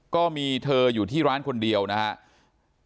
ก็มีเธออยู่ที่ร้านคนเดียวนะครับ